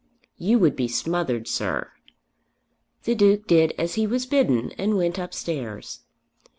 "You would be smothered, sir." The Duke did as he was bidden and went upstairs.